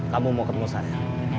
kamu mau ketemu saya